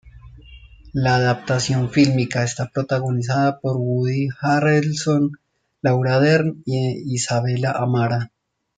La adaptación fílmica está protagonizada por Woody Harrelson, Laura Dern e Isabella Amara.